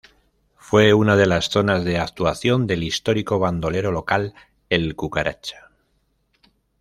Fue una de las zonas de actuación del histórico bandolero local El Cucaracha.